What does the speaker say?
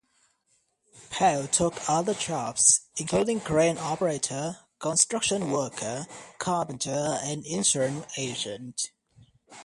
Paille took other jobs including crane operator, construction worker, carpenter and insurance agent.